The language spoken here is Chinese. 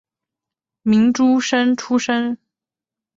明诸生出身。